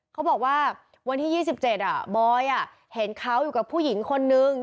เขาบอกว่าวันที่๒๗บอยเห็นเขาอยู่กับผู้หญิงคนนึง